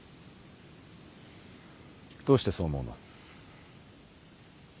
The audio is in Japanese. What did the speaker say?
どうしてそう思うの？